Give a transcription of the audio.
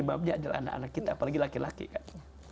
ibabnya adalah anak anak kita apalagi laki laki kan